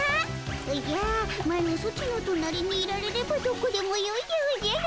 おじゃマロソチの隣にいられればどこでもよいでおじゃる。